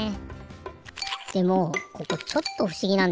でもここちょっとふしぎなんですよ。